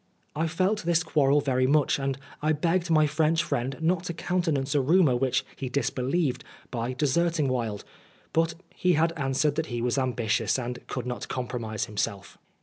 I felt this quarrel very much, and I had begged my French friend not to countenance a rumour which he disbelieved by deserting Wilde, but he had answered that he was ambitious, and could not compromise himself.